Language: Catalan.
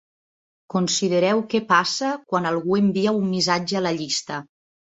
Considereu què passa quan algú envia un missatge a la llista.